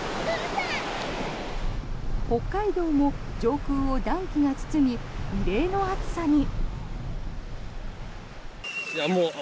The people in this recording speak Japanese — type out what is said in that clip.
北海道も上空を暖気が包み異例の暑さに。